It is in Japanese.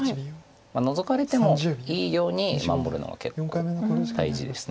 ノゾかれてもいいように守るのが結構大事です。